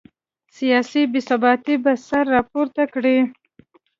سیاسي بې ثباتي به سر راپورته کړي.